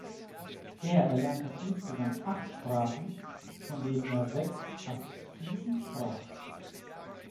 Er erlernte insgesamt acht Sprachen, von denen er sechs fast fließend sprach.